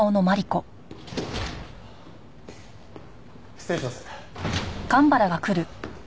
失礼します。